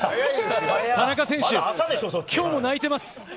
田中選手、きょうも泣いてます。